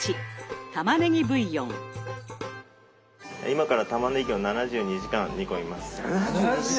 今からたまねぎを７２時間煮込みます。